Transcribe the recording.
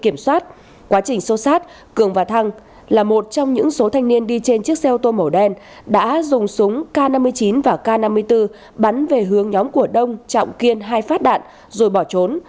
một thanh niên đi trên chiếc xe ô tô màu đen đã dùng súng k năm mươi chín và k năm mươi bốn bắn về hướng nhóm của đông chọng kiên hai phát đạn rồi bỏ trốn